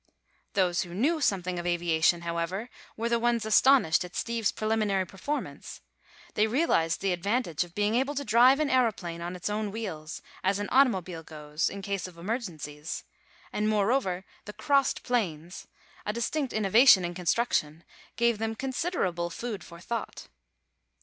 Those who knew something of aviation, however, were the ones astonished at Steve's preliminary performance. They realized the advantage of being able to drive an aëroplane on its own wheels, as an automobile goes, in case of emergencies, and moreover the "crossed planes"—a distinct innovation in construction—gave them considerable food for thought.